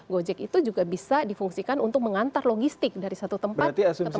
gojek itu juga bisa difungsikan untuk mengantar logistik dari satu tempat ke tempat lain